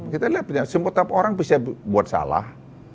kita lihat semua orang bisa buat salah